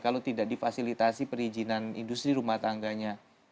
kalau tidak difasilitasi perizinan industri rumah tangganya